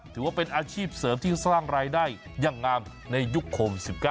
ถือว่าเป็นอาชีพเสริมที่สร้างรายได้อย่างงามในยุคโควิด๑๙